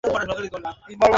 ভুতের সিনেমাতে হয়।